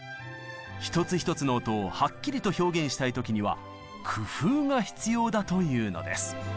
１つ１つの音をはっきりと表現したいときには工夫が必要だというのです。